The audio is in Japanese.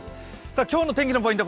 今日の天気のポイント